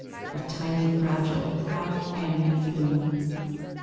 A tiny, fragile, half animate bean.